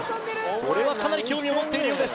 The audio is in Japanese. これはかなり興味を持っているようです